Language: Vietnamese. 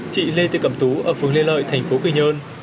chị lê tư cẩm tú ở phường lê lợi tp quy nhơn